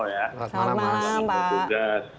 ya selamat malam pak